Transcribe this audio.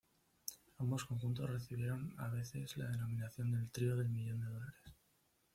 Ambos conjuntos recibieron a veces la denominación del "Trío del Millón de Dólares".